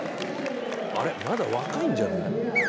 あれまだ若いんじゃない？